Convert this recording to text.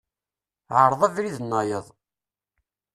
Ɛṛeḍ abrid-nnayeḍ.